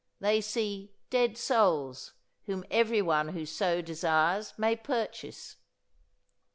They see "dead souls" whom everyone who so desires may purchase.